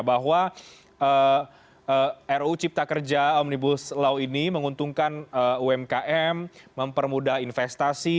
bahwa ruu cipta kerja omnibus law ini menguntungkan umkm mempermudah investasi